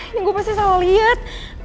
yang gue pasti salah lihat